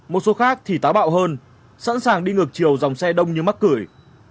một số khác thì táo bạo hơn sẵn sàng đi ngược chiều dòng xe đông như mắc cười